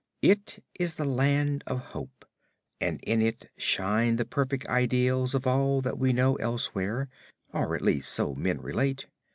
It is the Land of Hope, and in it shine the perfect ideals of all that, we know elsewhere; or at least so men relate.